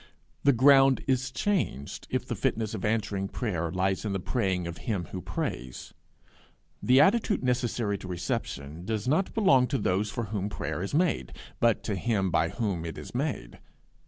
The ground is changed if the fitness of answering prayer lies in the praying of him who prays: the attitude necessary to reception does not belong to those for whom prayer is made, but to him by whom it is made.